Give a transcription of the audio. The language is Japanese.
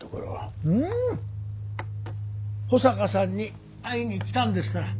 いや保坂さんに会いに来たんですから。